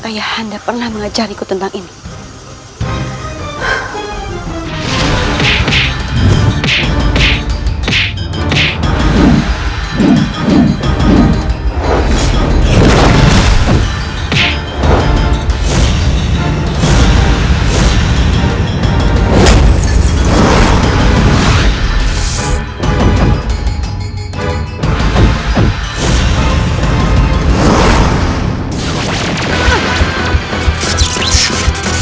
saya harus menggelap kerajaan pelindung gaib ini